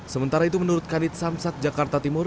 sementara itu menurut kanit samsat jakarta timur